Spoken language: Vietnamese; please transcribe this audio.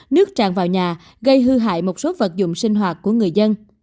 nước tràn vào nhà gây hư hại một số vật dụng sinh hoạt của người dân